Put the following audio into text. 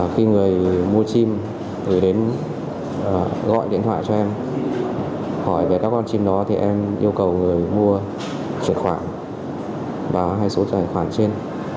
khi người mua chim gọi điện thoại cho em hỏi về các con chim đó em yêu cầu người mua truyền khoản và hai số truyền khoản trên